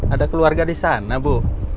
ada keluarga di sana bu